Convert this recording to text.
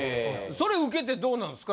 それ受けてどうなんですか？